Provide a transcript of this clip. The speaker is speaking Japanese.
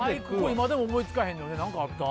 今でも思いつかへん何かあった？